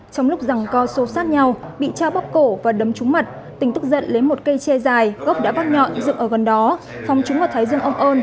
trong lúc rằng co sâu sát nhau bị cha bóp cổ và đấm trúng mặt tình tức giận lấy một cây che dài gốc đã vắt nhọn dựng ở gần đó phòng trúng vào thái dương ông ơn